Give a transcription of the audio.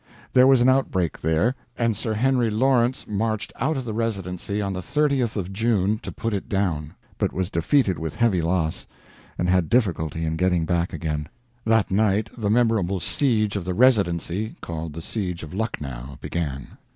There was an outbreak there, and Sir Henry Lawrence marched out of the Residency on the 30th of June to put it down, but was defeated with heavy loss, and had difficulty in getting back again. That night the memorable siege of the Residency called the siege of Lucknow began.